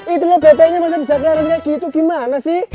itu loh pepenya masih bisa keren kayak gitu gimana sih